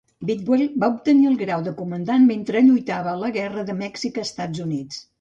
Bidwell va obtenir el grau de comandant mentre lluitava a la Guerra de Mèxic-Estats Units.